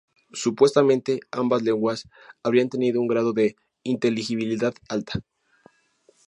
Supuestamente ambas lenguas habrían tenido un grado de inteligibilidad alta.